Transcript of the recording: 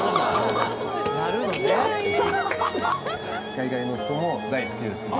海外の人も大好きですね。